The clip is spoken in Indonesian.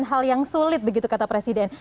hal yang sulit begitu kata presiden